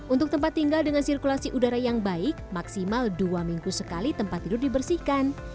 untuk tempat tinggal dengan sirkulasi udara yang baik maksimal dua minggu sekali tempat tidur dibersihkan